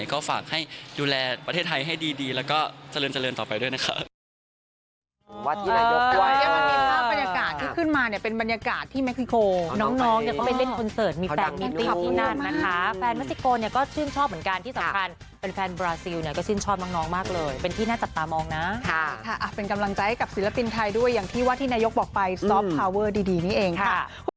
ก็ฝากให้ดูแลประเทศไทยให้ดีแล้วก็เจริญต่อไปด้วยนะครับ